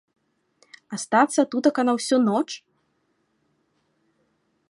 Астацца тутака на ўсю ноч?!